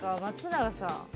松永さん。